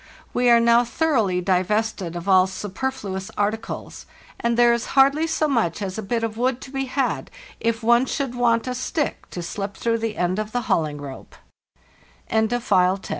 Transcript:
We are now thoroughly divested of all super fluous articles, and there is hardly so much as a bit of wood to be had if one should want a stick to slip through the end of the